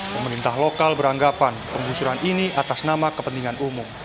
pemerintah lokal beranggapan penggusuran ini atas nama kepentingan umum